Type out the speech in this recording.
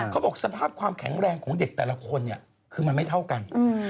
สภาพความแข็งแรงของเด็กแต่ละคนเนี่ยคือมันไม่เท่ากัน